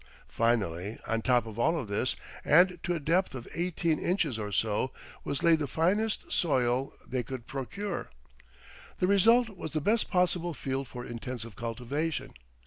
Finally, on top of all this, and to a depth of eighteen inches or so, was laid the finest soil they could procure. The result was the best possible field for intensive cultivation.